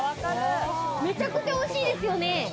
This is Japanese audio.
めちゃくちゃおいしいですよね！